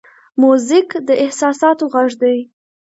موزیک د احساساتو غږ دی.